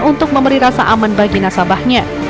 untuk memberi rasa aman bagi nasabahnya